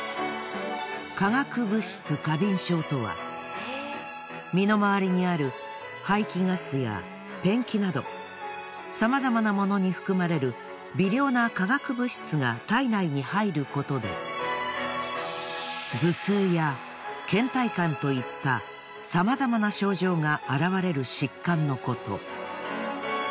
化学物質過敏症とは身の回りにある排気ガスやペンキなどさまざまなものに含まれる微量な化学物質が体内に入ることで頭痛や倦怠感といったさまざまな症状があらわれる疾患のこと。